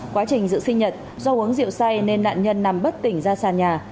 quá trình giữ sinh nhật do uống rượu say nên nạn nhân nằm bất tỉnh ra sàn nhà